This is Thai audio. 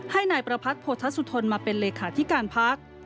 ให้นายประพักษ์โพธสุธนมาเป็นเลขาธิการพัก